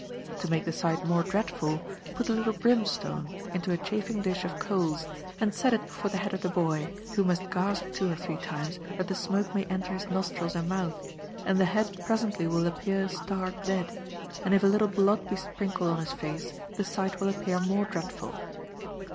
To make the sight more dreadful put a little brimstone into a chafing dish of coals, and set it before the head of the boy, who must gasp two or three times that the smoke may enter his nostrils and mouth, and the head presently will appear stark dead, and if a little blood be sprinkled on his face, the sight will appear more dreadful.